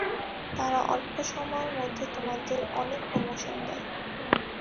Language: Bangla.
তারা অল্প সময়ের মধ্যে তোমাদের অনেক প্রমোশন দেয়।